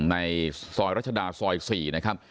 ในซอยรัชดาซอย๔นะครับ